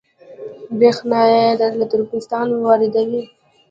بریښنا له ترکمنستان واردوي